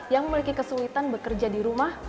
yang memiliki kesulitan bekerja di rumah